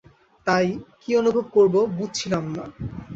তাই, কী অনুভব করব বুঝছিলাম না।